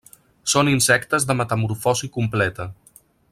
Són insectes de metamorfosi completa.